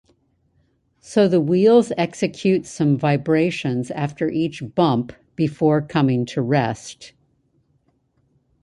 So the wheels execute some vibrations after each bump before coming to rest.